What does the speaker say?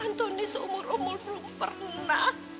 antuni seumur umur belum pernah